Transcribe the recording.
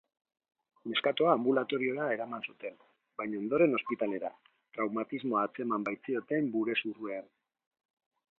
Neskatoa anbulatoriora eraman zuten, baina ondoren ospitalera, traumatismoa atzeman baitzioten burezurrean.